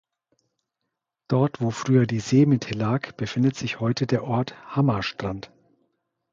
Dort wo früher die Seemitte lag, befindet sich heute der Ort Hammarstrand.